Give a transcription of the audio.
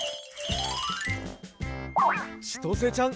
ちとせちゃん